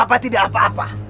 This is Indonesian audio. bapak tidak apa apa